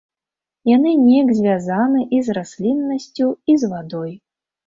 Яны неяк звязаны і з расліннасцю, і з вадой.